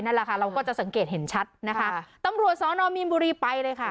นั่นแหละค่ะเราก็จะสังเกตเห็นชัดนะคะตำรวจสอนอมีนบุรีไปเลยค่ะ